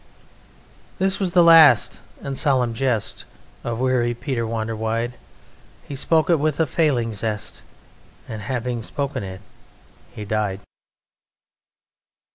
This was the last and solemn jest Of weary Peter Wanderwide, He spoke it with a failing zest, And having spoken it, he died.